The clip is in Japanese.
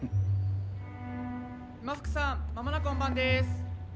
・今福さん間もなく本番です！